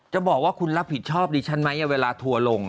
จะบอกว่าคุณรับผิดชอบดิฉันไหมเวลาทัวร์ลง